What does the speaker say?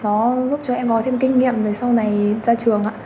nó giúp cho em có thêm kinh nghiệm về sau này ra trường ạ